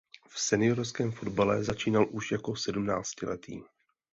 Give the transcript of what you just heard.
V seniorském fotbale začínal už jako sedmnáctiletý.